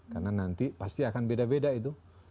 karena nanti pasti akan beda beda itu